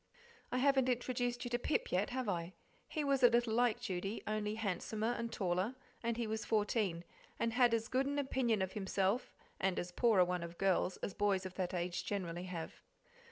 I haven't introduced you to Pip yet, have I? He was a little like Judy, only handsomer and taller, and he was fourteen, and had as good an opinion of himself and as poor a one of girls as boys of that age generally have.